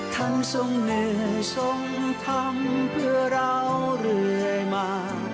ทรงเหนื่อยทรงทำเพื่อเราเรื่อยมา